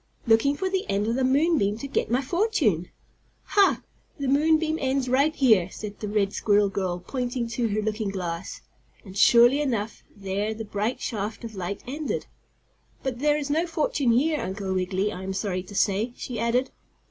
"Looking for the end of the moon beam to get my fortune." "Ha! The moon beam ends right here," said the red squirrel girl, pointing to her looking glass, and, surely enough, there the bright shaft of light ended. "But there is no fortune here, Uncle Wiggily, I am sorry to say," she added.